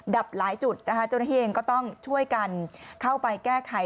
ดับหลายจุดนะคะเจ้าหน้าที่เองก็ต้องช่วยกันเข้าไปแก้ไข